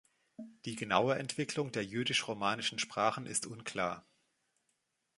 Die genaue Entwicklung der jüdisch-romanischen Sprachen ist unklar.